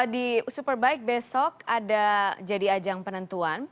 di superbike besok ada jadi ajang penentuan